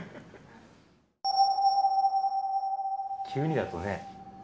急にだとね。